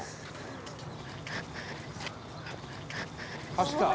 「走った！」